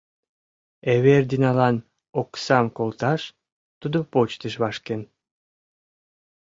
Эвердиналан оксам колташ тудо почтыш вашкен.